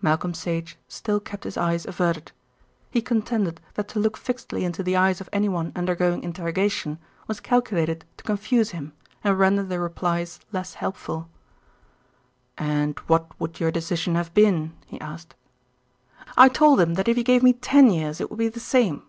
Malcolm Sage still kept his eyes averted. He contended that to look fixedly into the eyes of anyone undergoing interrogation was calculated to confuse him and render the replies less helpful. "And what would your decision have been?" he asked. "I told him that if he gave me ten years it would be the same."